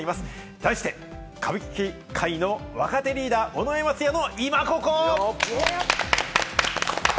題して、歌舞伎界の若手リーダー・尾上松也のイマココ！